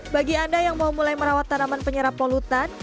bagi anda yang mau mulai merawat tanaman penyerap polutan